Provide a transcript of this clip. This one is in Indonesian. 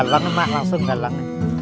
dalam emak langsung dalam